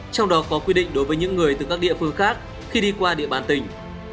trong đó có quy định đối với những người từ các địa phương khác khi đi qua địa bàn tỉnh